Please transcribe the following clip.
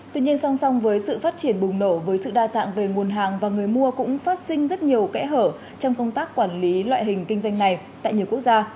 tuy nhiên song song với sự phát triển bùng nổ với sự đa dạng về nguồn hàng và người mua cũng phát sinh rất nhiều kẽ hở trong công tác quản lý loại hình kinh doanh này tại nhiều quốc gia